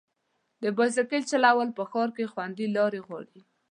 د بایسکل چلول په ښار کې خوندي لارې غواړي.